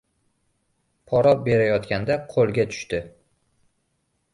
Pora berayotganda qo‘lga tushdi